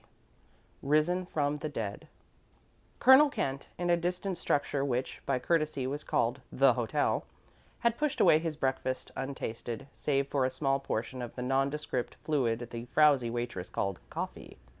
XX RISEN FROM THE DEAD COLONEL KENT, in a distant structure which, by courtesy, was called "the hotel," had pushed away his breakfast untasted, save for a small portion of the nondescript fluid the frowsy waitress called "coffee."